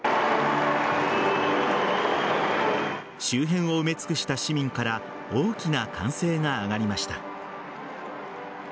周辺を埋め尽くした市民から大きな歓声が上がりました。